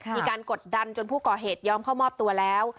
กดดันจนผู้ก่อเหตุยอมเข้ามอบตัวแล้ว